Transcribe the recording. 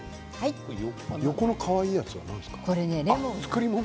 横のかわいいものは何ですか。